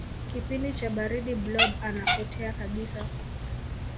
kipindi cha baridi blob anapotea kabisa